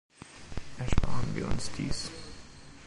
Ersparen wir uns dies!